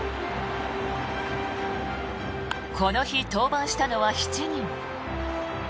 この日、登板したのは７人。